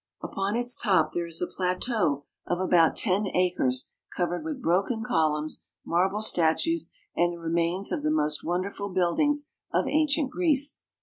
Upon its top there is a plateau of about ten acres covered with broken columns, marble statues, The Acropolis. and the remains of the most wonderful buildings of ancient Greece.